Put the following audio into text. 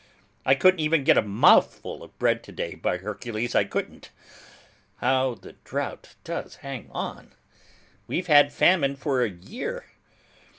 I couldn't even get a mouthful of bread today, by Hercules, I couldn't. How the drought does hang on! We've had famine for a year.